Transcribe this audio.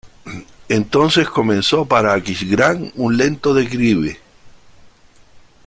Entonces comenzó para Aquisgrán un lento declive.